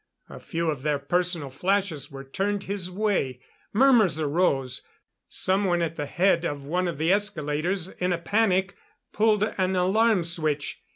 A few of their personal flashes were turned his way. Murmurs arose. Someone at the head of one of the escalators, in a panic pulled an alarm switch.